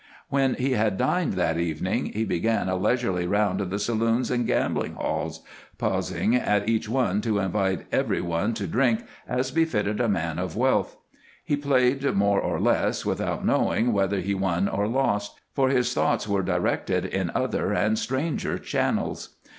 When he had dined that evening he began a leisurely round of the saloons and gambling halls, pausing in each to invite every one to drink, as befitted a man of wealth. He played, more or less, without knowing whether he won or lost, for his thoughts were directed in other and stranger channels.